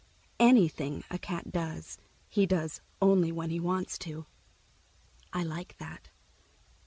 Anything a cat does, he does only when he wants to. I like that.